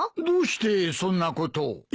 どうしてそんなことを？